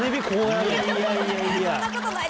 そんなことない！